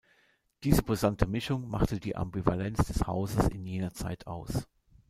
Diese brisante Mischung machte die Ambivalenz des Hauses in jener Zeit aus.